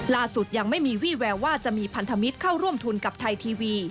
ยังไม่มีวี่แววว่าจะมีพันธมิตรเข้าร่วมทุนกับไทยทีวี